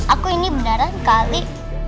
aku ini beneran kali